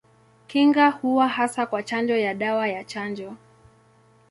Kinga huwa hasa kwa chanjo ya dawa ya chanjo.